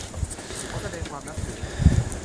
ขอแสดงความนับถือ